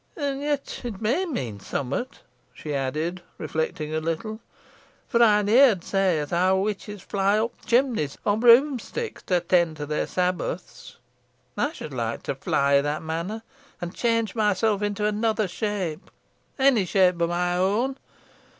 "And yet it may mean summot," she added, reflecting a little, "fo ey'n heerd say os how witches fly up chimleys o' broomsticks to attend their sabbaths. Ey should like to fly i' that manner, an change myself into another shape onny shape boh my own.